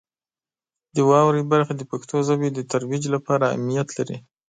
د واورئ برخه د پښتو ژبې د ترویج لپاره اهمیت لري.